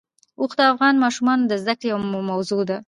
اوښ د افغان ماشومانو د زده کړې یوه موضوع ده.